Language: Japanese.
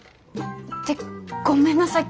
ってごめんなさい